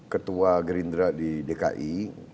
ketua gerindra di dki